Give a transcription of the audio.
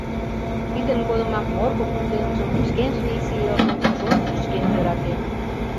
Тидын годымак Морко кундемжым, шкенжын изи элжым, чон чӱчкен йӧратен...